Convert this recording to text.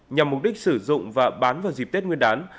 nhằm mục đích sử dụng và bán vào dịp tết nguyên đán